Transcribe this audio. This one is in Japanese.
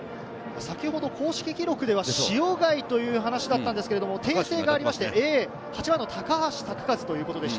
先ほど公式記録では塩貝っていう話しだったんですけれど、訂正がありまして、８番の高橋作和ということでした。